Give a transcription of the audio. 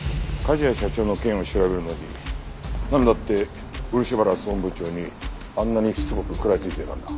梶谷社長の件を調べるのになんだって漆原総務部長にあんなにしつこく食らいついていたんだ？